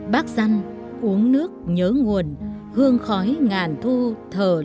bác dân uống nước nhớ nguồn hương khói ngàn thu thở lên